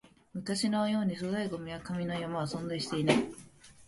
昔のように粗大ゴミや紙の山は存在していない